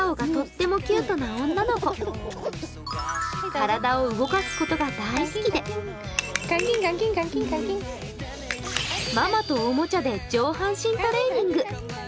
体を動かすことが大好きでママとおもちゃで上半身トレーニング。